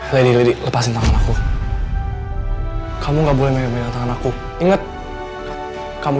lebih lepasin tanganku kamu nggak boleh menang aku inget kamu